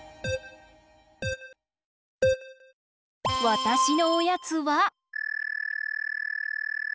わたしのおやつは。